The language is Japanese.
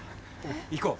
行こう！